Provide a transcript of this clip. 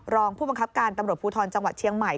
รองผู้บังคับการตำรวจภูทรจังหวัดเชียงใหม่